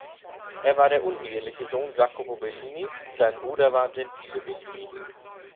Er war der uneheliche Sohn Jacopo Bellinis, sein Bruder war Gentile Bellini.